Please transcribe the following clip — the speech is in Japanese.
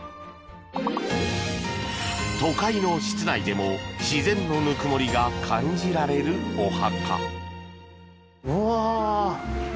都会の室内でも自然のぬくもりが感じられるお墓。